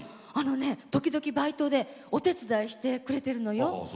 時々バイトでお手伝いしてくれてるのよ。